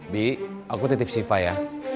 bi aku tetep sifat ya